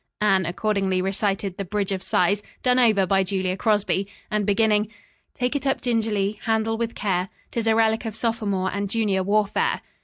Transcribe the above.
Anne accordingly recited "The Bridge of Sighs," done over by Julia Crosby, and beginning: "Take it up gingerly; Handle with care; 'Tis a relic of sophomore And junior warfare."